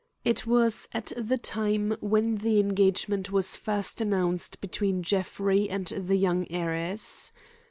It was at the time when the engagement was first announced between Jeffrey and the young heiress.